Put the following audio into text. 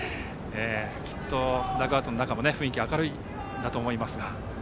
きっとダグアウトの中の雰囲気も明るいんだと思いますが。